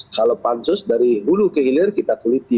kalau pansus dari hulu ke hilir kita teliti